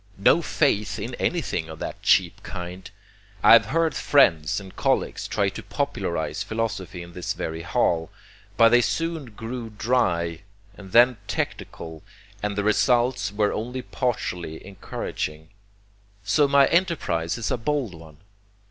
No faith in anything of that cheap kind! I have heard friends and colleagues try to popularize philosophy in this very hall, but they soon grew dry, and then technical, and the results were only partially encouraging. So my enterprise is a bold one.